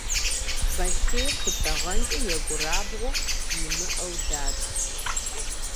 Бостейр щыптӏэгъэнкӏэ екӏурабгъу имыӏэу дат.